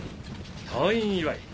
退院祝い。